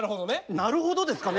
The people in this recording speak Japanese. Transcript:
なるほどですかね？